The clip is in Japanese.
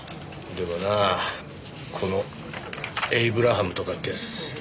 でもなあこのエイブラハムとかってやつ。